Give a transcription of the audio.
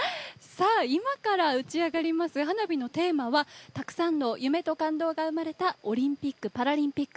今から打ち上がります、花火のテーマは、たくさんの夢と感動が生まれたオリンピック・パラリンピック。